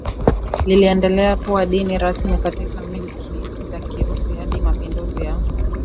liliendelea kuwa dini rasmi katika milki za Kirusi hadi mapinduzi ya